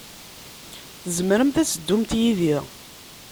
Tzemremt ad teddumt yid-i.